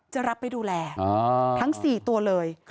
จะรับไปดูแลทั้ง๔ตัวเลย